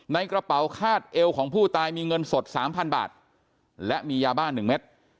ในกระเป๋าคาดเอวของผู้ตายมีเงินสด๓๐๐บาทและมียาบ้าน๑เม็ด